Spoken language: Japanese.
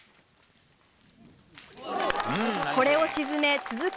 これを沈め続く